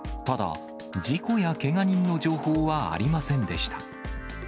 ただ、事故やけが人の情報はありませんでした。